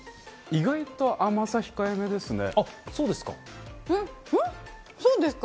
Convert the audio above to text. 意外と甘さ、控え目ですね。